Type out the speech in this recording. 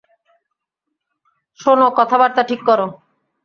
শোনো, কথাবার্তা ঠিক করো।